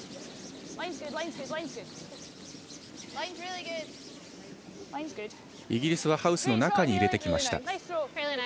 イギリスハウスの中に入れてきました。